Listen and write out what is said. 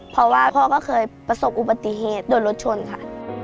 เพราะว่าพ่อก็เคยประสบอุบัติเหตุโดนรถชนค่ะ